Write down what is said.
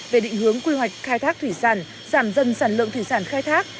về định hướng quy hoạch khai thác thủy sản giảm dần sản lượng thủy sản khai thác